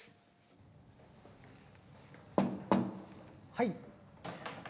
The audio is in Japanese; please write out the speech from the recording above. はい。